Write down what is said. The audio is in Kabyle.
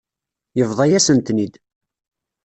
Yebḍa-yasen-ten-id.